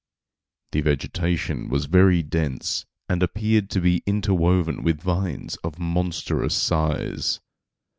The vegetation was very dense, and appeared to be interwoven with vines of monstrous size.